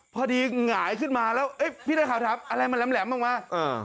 พอดีหงายขึ้นมาแล้วพี่นักข่าวถามอะไรมันแหลมออกมา